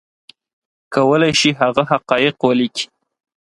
کولی شي هغه حقایق ولیکي